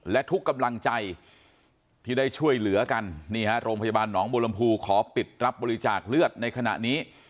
และทุกกำลังใจที่ได้ช่วยเหลือกันนี่ฮะโรงพยาบาลหนองบุรมภูขอปิดรับบริจาคเลือดในขณะนี้